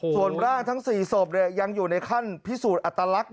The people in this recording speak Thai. ส่วนร่างทั้ง๔ศพยังอยู่ในขั้นพิสูจน์อัตลักษณ์